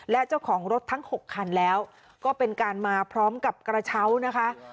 และเจ้าของรถทั้ง๖คันแล้วก็เป็นการมาพร้อมกับกระเช้านะคะ